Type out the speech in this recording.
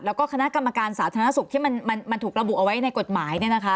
แล้วก็คณะกรรมการสาธารณสุขที่มันถูกระบุเอาไว้ในกฎหมาย